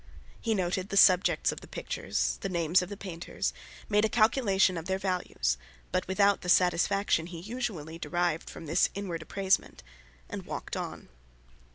He noted the subjects of the pictures, the names of the painters, made a calculation of their values, but without the satisfaction he usually derived from this inward appraisement, and walked on.